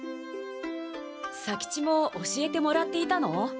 左吉も教えてもらっていたの？